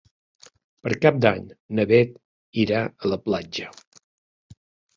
Per Cap d'Any na Bet irà a la platja.